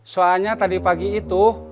soalnya tadi pagi itu